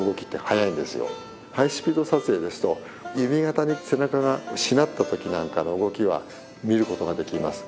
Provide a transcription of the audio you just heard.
ハイスピード撮影ですと弓形に背中がしなった時なんかの動きは見ることができます。